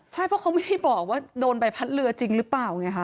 ใช่เพราะเขาไม่ได้บอกว่าโดนใบพัดเรือจริงหรือเปล่าไงคะ